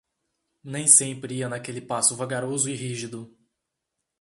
Nem sempre ia naquele passo vagaroso e rígido.